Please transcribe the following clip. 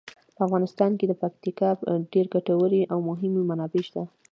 په افغانستان کې د پکتیکا ډیرې ګټورې او مهمې منابع شته.